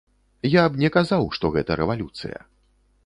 Я б не казаў, што гэта рэвалюцыя.